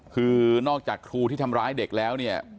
คือนอกจากครูที่ทำร้ายเด็กแล้วเนี่ย